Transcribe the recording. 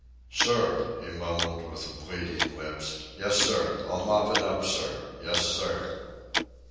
"Sir," he mumbled with bleeding lips. "Yes, sir, I'll mop it up, sir. Yes, sir."